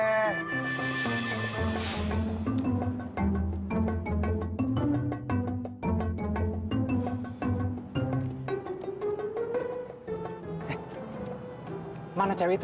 eh mana cewek itu